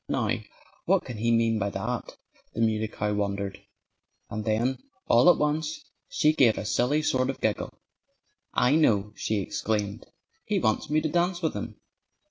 "Now, what can he mean by that?" the Muley Cow wondered. And then all at once she gave a silly sort of giggle. "I know!" she exclaimed. "He wants me to dance with him!"